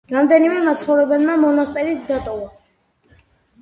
რამდენიმე მაცხოვრებელმა მონასტერი დატოვა.